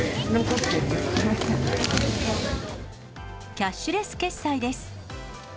キャッシュレス決済です。